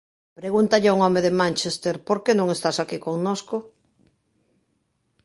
Pregúntalle a un home de Manchester "Por que non estás aquí connosco?